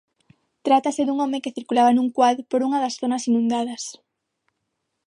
Trátase dun home que circulaba nun quad por unha das zonas inundadas.